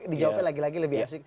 dijawabnya lagi lagi lebih asik